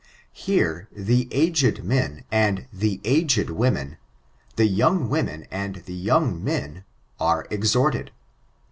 Here " the aged men," and " the aged women ;the young women," and " young men," are exhorted.